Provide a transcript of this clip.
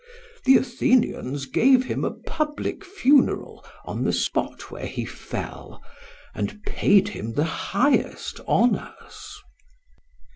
The Athenians gave him a public funeral on the spot where he fell, and paid him the highest honours."